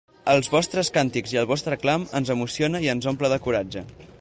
Els vostres càntics i el vostre clam ens emociona i ens omple de coratge.